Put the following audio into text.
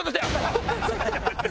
ハハハハ！